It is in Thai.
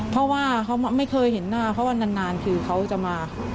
เพราะว่าเขาไม่เคยเห็นหน้าเขาว่านานคือเขาจะมา